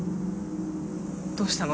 どうしたの？